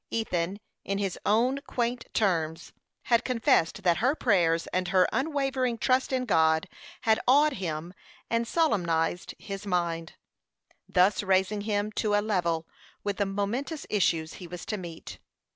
Ethan, in his own quaint terms, had confessed that her prayers and her unwavering trust in God had awed him and solemnized his mind, thus raising him to a level with the momentous issues he was to meet.